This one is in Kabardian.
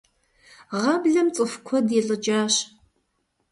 Гъаблэм цӏыху куэд илӏыкӏащ.